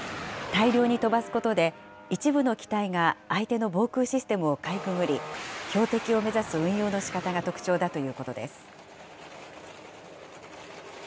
大量に飛ばすことで、一部の機体が相手の防空システムをかいくぐり、標的を目指す運用のしかたが特徴だということです。